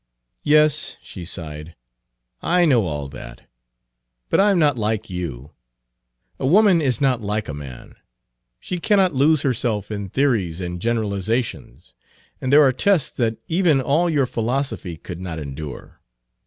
"Yes," she sighed, "I know all that. But I am not like you. A woman is not like a man; she cannot lose herself in theories and generalizations. And there are tests that even all your philosophy could not endure.